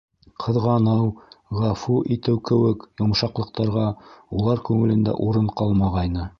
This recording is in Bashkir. Ҡыҙғаныу, ғәфү итеү кеүек йомшаҡлыҡтарға улар күңелендә урын ҡалмағайны.